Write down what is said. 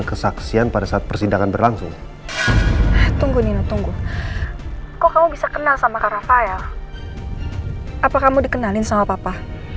kesaksian pada saat persidangan berlangsung tunggu nino tunggu kok kamu bisa kenal sama rafael apa kamu dikenalin sama papa